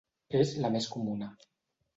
És la més comuna.